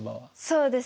そうですね。